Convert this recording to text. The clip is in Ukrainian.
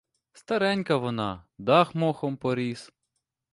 Старенька вона, дах мохом поріс.